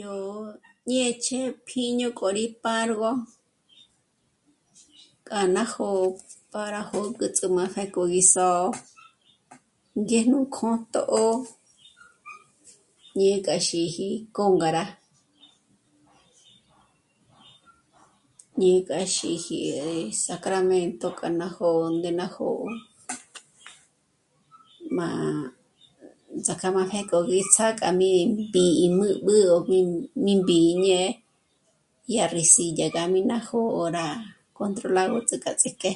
Yó ñêch'e pjíño k'o rí pârgö k'a ná jó'o para jö̌güts'ü má pjék'o gí só'o, ngéjnú kjṓtjō 'ò'o ñék'a xíji kônga rá, ñék'a xíji eh... Sacramento k'a ná jó'o ndé ná jó'o, má ts'ák'a má pjék'o rí ts'â'a k'a mí mbí'i m'ǚb'ü ó mí mbî'i ñé yá rès'i ngá dyä̀b'i ná jó'o rá controlágö ts'ák'a ts'íjk'e...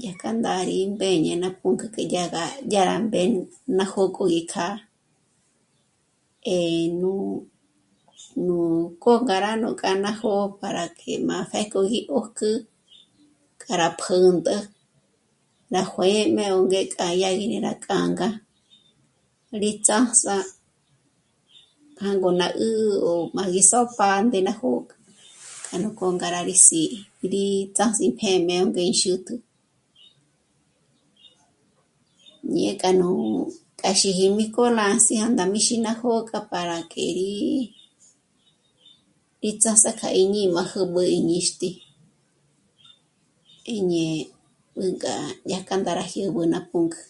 Dyájkja ndá rí mbéñe ná pǔnk'ü k'e dyága, dyá rá mbén' ná jó'o k'o gí kjâ'a, eh... nú, nú kôngará nú k'â'a ná jó'o para má pjék'o rí 'ójk'ü k'a rá pä̌ntjü rá juë̌jm'e ó ngék'a rí k'ânda, rí ts'ájs'a pjángo ná 'ä́'ä ó má gí s'ójp'a ndé ná jó'o, k'a nú kônga rá sí'i, rí s'ás'i péjme ó ngéxût'u, ñé k'a nú... k'a xíji mí kôn'a syanda mí xi ná jó'o k'a... para que í... í ts'ás'a k'a íjñí'i má jä̀b'ä í ñíxti. í ñé'e 'ǘnk'a, dyájkja ndá rá jyë̌b'ü ná pǔnk'ü